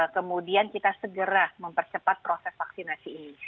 kemudian kita segera mempercepat proses vaksinasi ini